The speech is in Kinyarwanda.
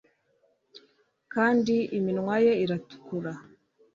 kandi iminwa ye iratukura